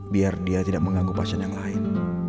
biar dia tidak mengganggu pasien yang lain